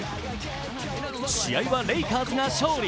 試合はレイカーズが勝利。